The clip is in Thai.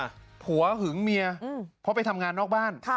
ผัวหึงเมียเพราะไปทำงานนอกบ้าน